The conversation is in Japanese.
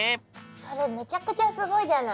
それめちゃくちゃすごいじゃない！